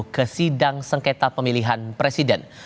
ke sidang sengketa pemilihan presiden